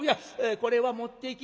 これは持っていき」。